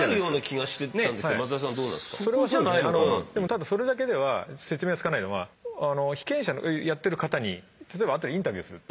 ただそれだけでは説明がつかないのは被験者のやってる方に例えばあとでインタビューする。